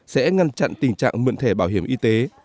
sẽ ngăn chặn tình trạng mượn thẻ bảo hiểm y tế